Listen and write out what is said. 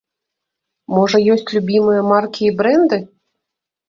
Можа, ёсць любімыя маркі і брэнды?